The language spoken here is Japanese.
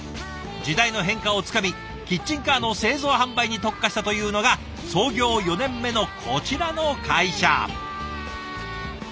時代の変化をつかみキッチンカーの製造販売に特化したというのが創業４年目のこちらの会社。